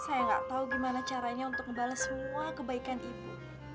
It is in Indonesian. saya gak tau gimana caranya untuk ngebales semua kebaikan ibu